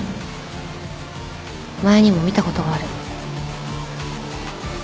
前にも見たことがある